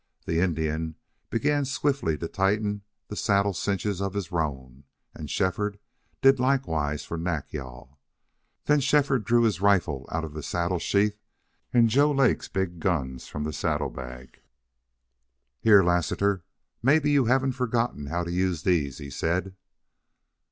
The Indian began swiftly to tighten the saddle cinches of his roan, and Shefford did likewise for Nack yal. Then Shefford drew his rifle out of the saddle sheath and Joe Lake's big guns from the saddle bag. "Here, Lassiter, maybe you haven't forgotten how to use these," he said.